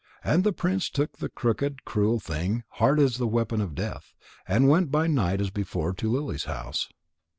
And the prince took the crooked, cruel thing, hard as the weapon of Death, and went by night as before to Lily's house.